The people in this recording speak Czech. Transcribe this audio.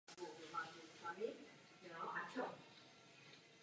Po jejím absolvování sloužil u různých útvarů a postupně získával vyšší funkce a hodnosti.